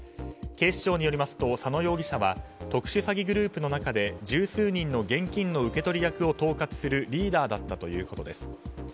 警視庁によりますと佐野容疑者は特殊詐欺グループの中で十数人の現金の受け取り役を統括するリーダーだったということです。